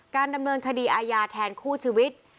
การดำเนินคดีอาญาแทนคู่ชีวิต